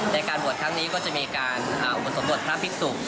ในการบวชครั้งนี้ก็จะมีการอุปสมบทพระภิกษุ